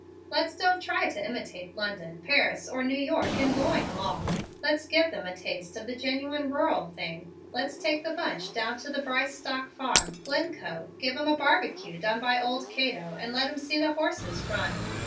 "Let's don't try to imitate London, Paris or New York in blowing 'em off; let's give them a taste of the genuine rural thing. Let's take the bunch down to the Brice stock farm, Glencove, give 'em a barbecue done by old Cato and let 'em see the horses run.